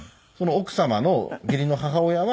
奥様の義理の母親は銭湯に。